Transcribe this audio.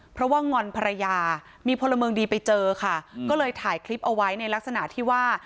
เพราะว่างอนภรรยามีพลเมืองดีไปเจอค่ะก็เลยถ่ายคลิปเอาไว้ในลักษณะที่ว่า